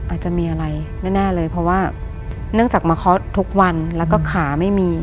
อาจจะมีอะไรแน่เลยเพราะว่าเนื่องจากมาเคาะทุกวันแล้วก็ขาไม่มี